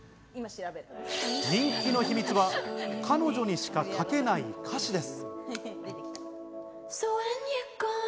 人気の秘密は彼女にしか書けない歌詞です。